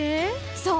そう！